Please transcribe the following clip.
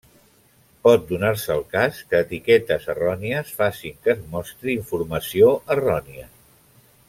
Pot donar-se el cas que etiquetes errònies facin que es mostri informació errònia.